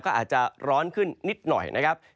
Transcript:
ก็อาจจะร้อนขึ้นนิดหน่อยนะครับ